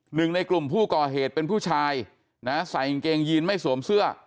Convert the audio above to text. หนึ่งในกลุ่มผู้ก่อเหตุเป็นผู้ชายนะใส่กางเกงยีนไม่สวมเสื้อ